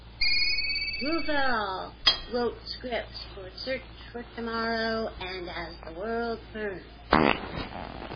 Rouverol wrote scripts for "Search for Tomorrow" and "As the World Turns".